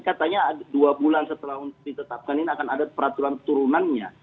katanya dua bulan setelah ditetapkan ini akan ada peraturan turunannya